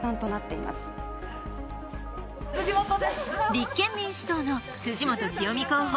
立憲民主党の辻元清美候補。